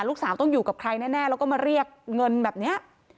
ลูกสาวต้องอยู่กับใครแน่แล้วก็มาเรียกเงินแบบนี้